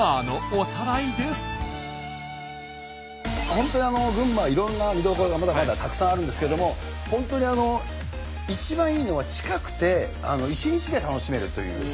本当に群馬はいろんな見どころがまだまだたくさんあるんですけども本当に一番いいのは近くて一日で楽しめるという。